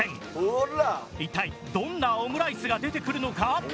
一体どんなオムライスが出てくるのか？